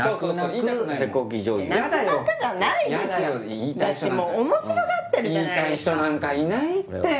言いたい人なんかいないって。